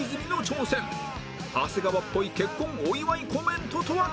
長谷川っぽい結婚お祝いコメントとは？